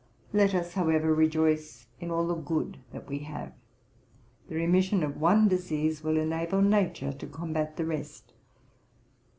Let us, however, rejoice in all the good that we have. The remission of one disease will enable nature to combat the rest.